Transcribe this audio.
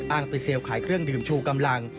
ไปเซลล์ขายเครื่องดื่มชูกำลัง